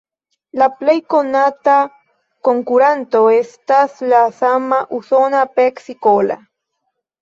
La plej konata konkuranto estas la same usona "Pepsi-Cola".